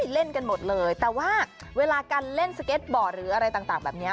เล่นกันหมดเลยแต่ว่าเวลาการเล่นสเก็ตบอร์ดหรืออะไรต่างแบบนี้